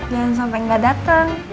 jangan sampe ngga dateng